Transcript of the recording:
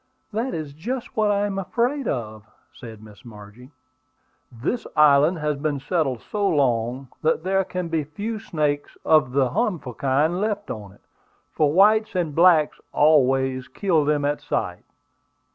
"That is just what I am afraid of," said Miss Margie. "This island has been settled so long that there can be but few snakes of the harmful kind left on it; for whites and blacks always kill them at sight."